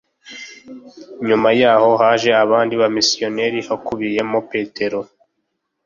nyuma yaho haje abandi bamisiyonari hakubiyemo petero